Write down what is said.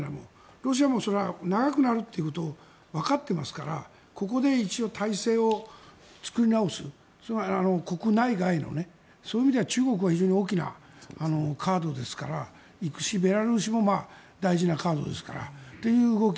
ロシアも長くなるということは分かっていますから、ここで一応体制を作り直す、国内外のそういう意味では中国は非常に大きなカードですしベラルーシも大事なカードだという動き。